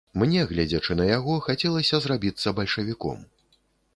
Мне, гледзячы на яго, хацелася зрабіцца бальшавіком.